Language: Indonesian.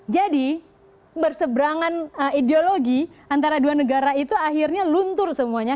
jadi bersebrangan ideologi antara dua negara itu akhirnya luntur semuanya